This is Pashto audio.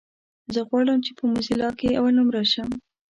زه غواړم چې په موزيلا کې اولنومره شم.